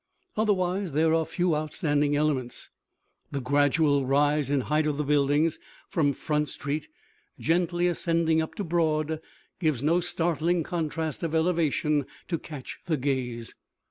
Otherwise there are few outstanding elements. The gradual rise in height of the buildings, from Front Street gently ascending up to Broad, gives no startling contrast of elevation to catch the gaze.